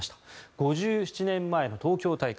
５７年前の東京大会